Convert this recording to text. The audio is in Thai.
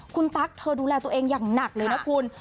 คุณตั๊กเธอดูแลตัวเองอย่างหนักเลยนะคุณ